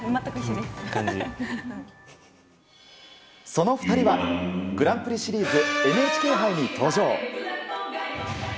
その２人はグランプリシリーズＮＨＫ杯に登場。